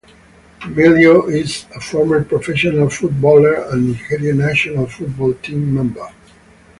Emilio is a former professional footballer and Nigeria national football team member.